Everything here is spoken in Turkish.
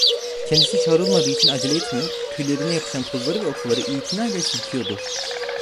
Kendisi çağırılmadığı için acele etmiyor, tüylerine yapışan tozları ve otları itina ile silkiyordu.